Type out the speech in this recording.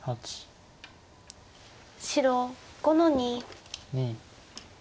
白５の二。